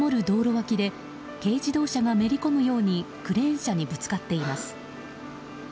道路脇で軽自動車がめり込むようにクレーン車にぶつかっています。